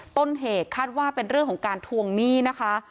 ต้นเหตุคาดว่าเป็นเรื่องของการทวงหนี้นะคะ